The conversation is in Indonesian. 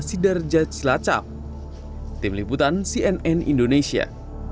sidarjad tlacap tim liputan cnn indonesia